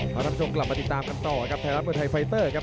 พระตำรงกลับมาติดตามกันต่อกับไพร้ทมือไทยไฟเตอร์ครับ